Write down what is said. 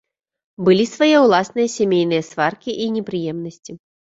Былі свае ўласныя сямейныя сваркі і непрыемнасці.